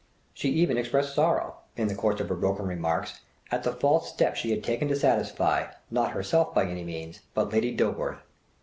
She even expressed sorrow, in the course of her broken remarks, "at the false step she had taken to satisfy, not herself by any means, but Lady Dilworth!"